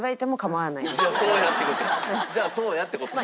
じゃあそうやって事や。